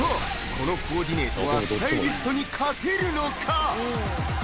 このコーディネートはスタイリストに勝てるのか？